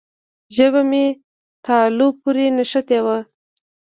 ژبه مې تالو پورې نښتې وه.